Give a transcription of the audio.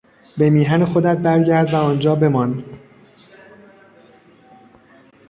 به میهن خودت برگرد و آنجا بمان!